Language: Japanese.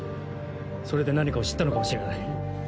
それで何かを知ったのかもしれない。